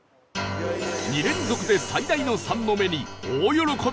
２連続で最大の「３」の目に大喜びの６人